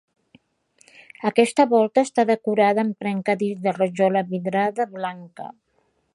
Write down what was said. Aquesta volta està decorada amb trencadís de rajola vidrada blanca.